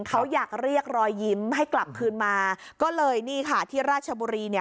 เขาอยากเรียกรอยยิ้มให้กลับคืนมาก็เลยนี่ค่ะที่ราชบุรีเนี่ย